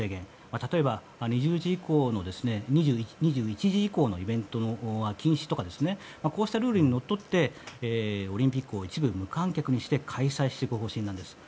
例えば２１時以降のイベントは禁止とかこうしたルールにのっとってオリンピックを一部無観客にして開催していく方針なんです。